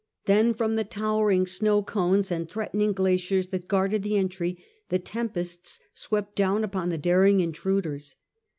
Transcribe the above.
Then from the towering snow cones and threatening glaciers that guarded the entry the tempests swept down upon the daring intruders.